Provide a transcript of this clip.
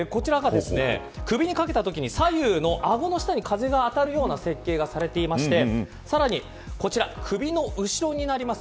こちらが首に掛けたときに左右の顎の下に風が当たるように設計がされていてさらにこちら首の後ろになります。